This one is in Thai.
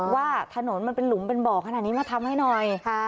ว่าถนนมันเป็นหลุมเป็นบ่อขนาดนี้มาทำให้หน่อย